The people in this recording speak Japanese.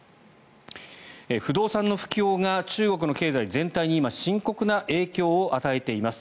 不動産の不況が中国の経済全体に今、深刻な影響を与えています。